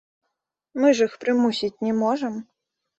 Мы ж іх прымусіць не можам.